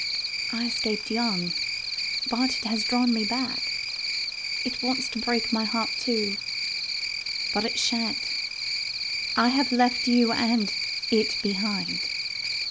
I escaped young; but it has drawn me back. It wants to break my heart too. But it shan't. I have left you and it behind.